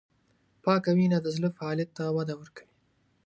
پاکه وینه د زړه فعالیت ته وده ورکوي.